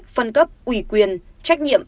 phân cấp ủy quyền trách nhiệm